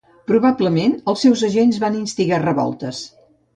Probablement els seus agents van instigar revoltes.